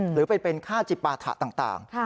หรือไปเป็นค่าจิปาถะต่าง